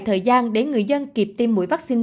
thời gian để người dân kịp tiêm mũi vaccine